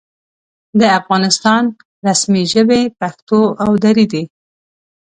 د افغانستان رسمي ژبې پښتو او دري دي.